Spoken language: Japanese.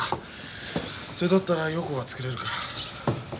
それだったら陽子が作れるから。